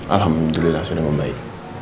alhamdulillah sudah membaik